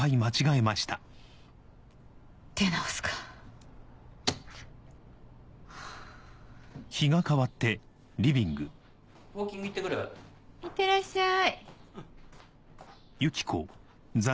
いってらっしゃい。